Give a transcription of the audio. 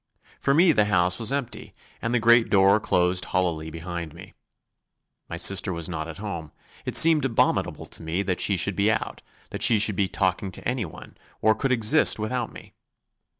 For me the house was empty and the great door closed hollowly behind me. My sister was not at home. It seemed abominable to me that she should be out; that she could be talking to anyone, or could exist without me.